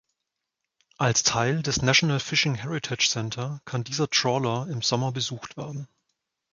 Als Teil des "National Fishing Heritage Centre" kann dieser Trawler im Sommer besucht werden.